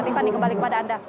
tifani kembali kepada anda